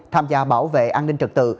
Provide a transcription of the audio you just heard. tham gia bảo vệ an ninh trật tự